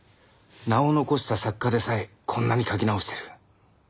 名を残した作家でさえこんなに書き直している。